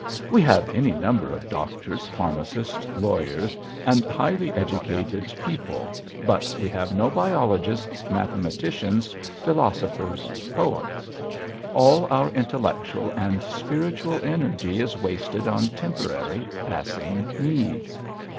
We have any number of doctors, pharmacists, lawyers, and highly educated people, but we have no biologists, mathematicians, philosophers, poets. All our intellectual and spiritual energy is wasted on temporary passing needs....